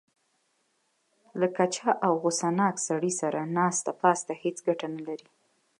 له کچه او غوسه ناک سړي سره ناسته پاسته هېڅ ګټه نه لري.